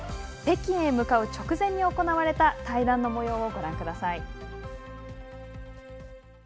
北京へ向かう直前に行われた対談のもようをご覧ください。